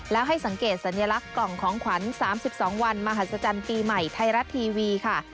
แล้วให้สังเกตสัญลักษณ์กล่องของขวัญ๓๒วันมหัศจรรย์ปีใหม่ไทยรัฐทีวีค่ะ